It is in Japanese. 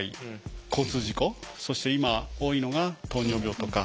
そして今多いのが糖尿病とか。